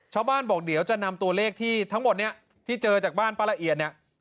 ชาวบ้านบอกเดี๋ยวจะนำตัวเลขที่ทั้งหมดเนี่ยที่เจอจากบ้านป้าละเอียดเนี่ย